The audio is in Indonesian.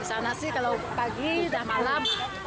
di sana sih kalau pagi udah malam